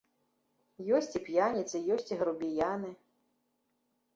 Ёсць і п'яніцы, ёсць і грубіяны.